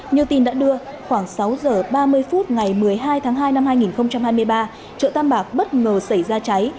như tin đã đưa khoảng sáu giờ ba mươi phút ngày một mươi hai tháng hai năm hai nghìn hai mươi ba chợ tam bạc bất ngờ xảy ra cháy